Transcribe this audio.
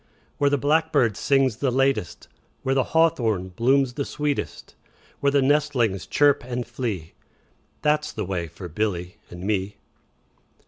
Where the blackbird sings the latest, 5 Where the hawthorn blooms the sweetest, Where the nestlings chirp and flee, That 's the way for Billy and me.